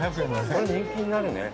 これ人気になるね。